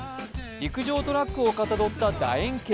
陸上トラックをかたどっただ円形。